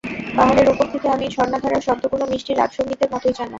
পাহাড়ের ওপর থেকে পানির ঝরনাধারার শব্দ কোনো মিষ্টি রাগ সংগীতের মতোই যেন।